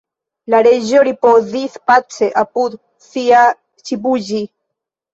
La Reĝo ripozis pace apud sia _ĉibuĝi_.